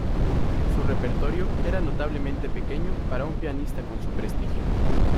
Su repertorio era notablemente pequeño para un pianista con su prestigio.